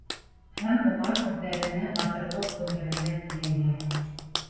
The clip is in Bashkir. Һәм улар үҙҙәренә батырлыҡ күндерергә теләйҙәр.